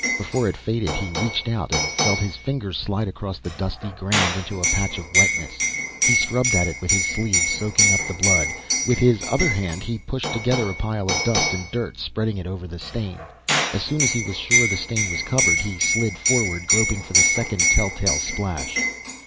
Before it faded he reached out and felt his fingers slide across the dusty ground into a patch of wetness. He scrubbed at it with his sleeve, soaking up the blood, wiping the spot fiercely. With his other hand he pushed together a pile of dust and dirt, spreading it over the stain. As soon as he was sure the stain was covered he slid forward, groping for the second telltale splash.